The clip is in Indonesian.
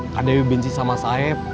kak dewi benci sama saif